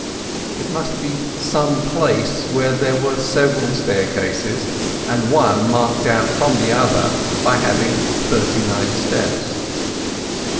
It must be some place where there were several staircases, and one marked out from the others by having thirty nine steps.